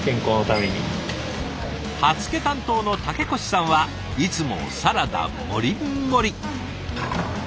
刃付け担当の竹越さんはいつもサラダもりっもり！